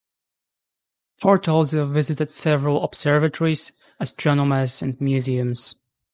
Ford also visited several observatories, astronomers, and museums.